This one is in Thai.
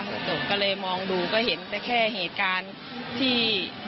กระจกก็เลยมองดูก็เห็นแต่แค่เหตุการณ์ที่